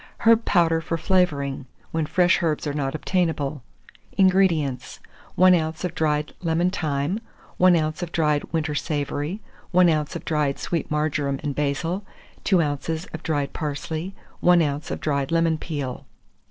HERB POWDER FOR FLAVOURING, when Fresh Herbs are not obtainable. 446. INGREDIENTS. 1 oz. of dried lemon thyme, 1 oz. of dried winter savory, 1 oz. of dried sweet marjoram and basil, 2 oz. of dried parsley, 1 oz. of dried lemon peel.